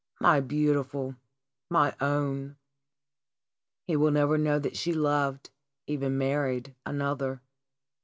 My Beautiful! My Own!" He will never know that she loved, even married, another.